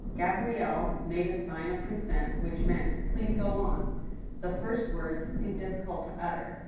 Gabrielle made a sign of consent, which meant " Please go on." The first words seemed difficult to utter.